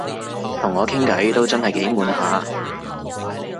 同我傾偈都真係幾悶下